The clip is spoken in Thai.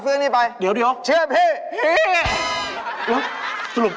แต่ทางเนยกมี่สุด